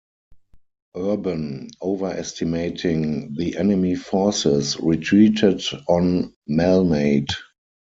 Urban, overestimating the enemy forces, retreated on Malnate.